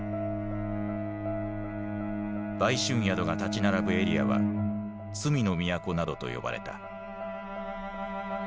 売春宿が立ち並ぶエリアは「罪の都」などと呼ばれた。